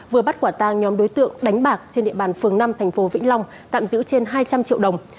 vừa bắt quả tang nhóm đối tượng đánh bạc trên địa bàn phường năm tp vĩnh long tạm giữ trên hai trăm linh triệu đồng